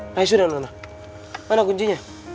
nah sudah nono mana kuncinya